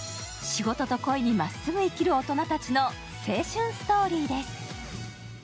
仕事と恋にまっすぐ生きる大人たちの青春ストーリーです。